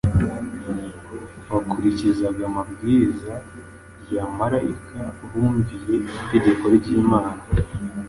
bakurikizaga amabwiriza ya marayika bumviye itegeko ry’Imana